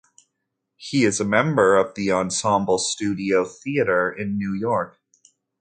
He is a member of Ensemble Studio Theatre in New York.